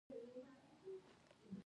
هغه کندهار او بلخ ته لښکرې واستولې.